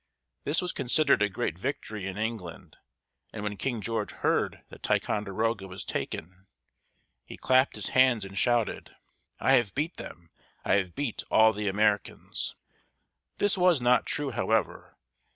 This was considered a great victory in England, and when King George heard that Ticonderoga was taken, he clapped his hands and shouted: "I have beat them! I have beat all the Americans!" This was not true, however.